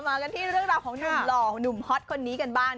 มากันที่เรื่องราวของหนุ่มหล่อหนุ่มฮอตคนนี้กันบ้าง